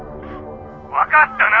分かったな！？」。